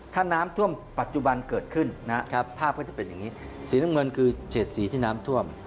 ตรงนั้นผม